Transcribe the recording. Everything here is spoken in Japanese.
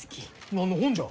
何の本じゃ？